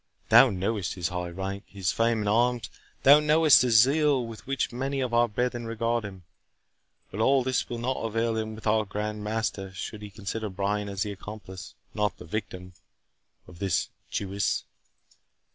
Thou knowest his high rank, his fame in arms—thou knowest the zeal with which many of our brethren regard him—but all this will not avail him with our Grand Master, should he consider Brian as the accomplice, not the victim, of this Jewess.